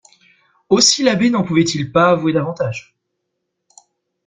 Aussi l'abbé n'en pouvait-il avouer davantage.